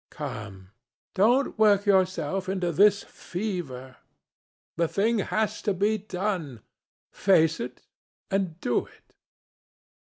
Come, don't work yourself into this fever. The thing has to be done. Face it, and do it."